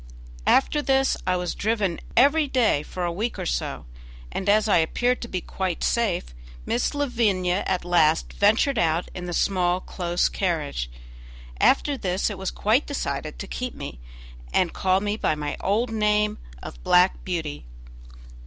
After this I was driven every day for a week or so, and as I appeared to be quite safe, Miss Lavinia at last ventured out in the small close carriage. After this it was quite decided to keep me and call me by my old name of "Black Beauty".